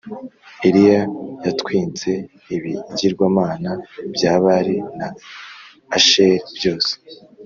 eliya yatwinze ibigirwamana bya bari na asheri byose